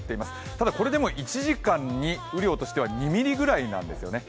ただこれでも１時間に雨量としては２ミリぐらいなんですよね。